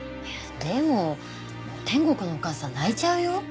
でも天国のお母さん泣いちゃうよ？